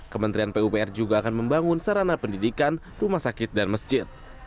kementerian pupr juga akan membangun sarana pendidikan rumah sakit dan masjid